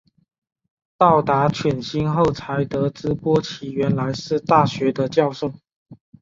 到达犬星后才得知波奇原来是大学的教授。